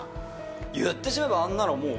言ってしまえばあんなのもう、